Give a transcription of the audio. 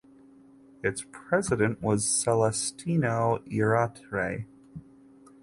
Its president was Celestino Iriarte.